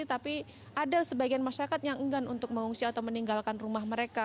tapi ada sebagian masyarakat yang enggan untuk mengungsi atau meninggalkan rumah mereka